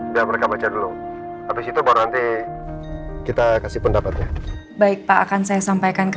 biar mereka baca dulu abis itu baru nanti kita kasih pendapatnya baik pak akan saya sampaikan ke